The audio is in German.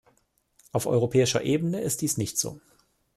Auf europäischer Ebene ist dies nicht so.